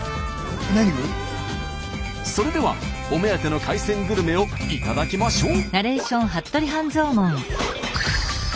それではお目当ての海鮮グルメを頂きましょう。